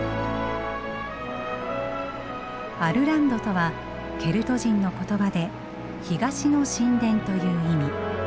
アルランドとはケルト人の言葉で東の神殿という意味。